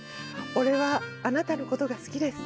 俺はあなたのことが好きです。